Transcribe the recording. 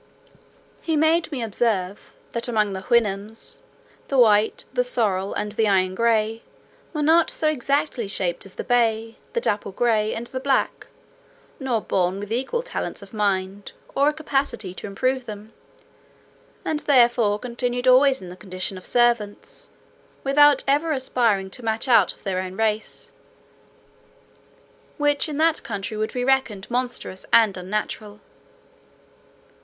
He made me observe, "that among the Houyhnhnms, the white, the sorrel, and the iron gray, were not so exactly shaped as the bay, the dapple gray, and the black; nor born with equal talents of mind, or a capacity to improve them; and therefore continued always in the condition of servants, without ever aspiring to match out of their own race, which in that country would be reckoned monstrous and unnatural."